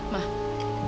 ma mama serius